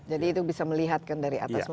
jadi itu bisa melihatkan dari atas